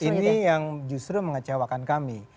ini yang justru mengecewakan kami